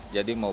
jadi mau beri